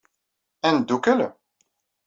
Ad neddukkel?